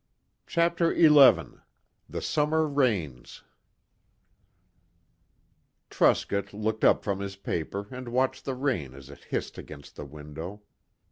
CHAPTER XI THE SUMMER RAINS Truscott looked up from his paper and watched the rain as it hissed against the window.